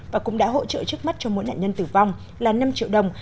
và cũng đã hỗ trợ trước mắt cho mỗi nạn nhân tử vong là năm triệu đồng